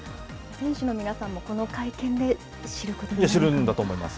選手の皆さんもこの会見で知ることになると？